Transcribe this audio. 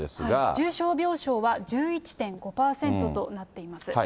重症病床は１１．５％となっています。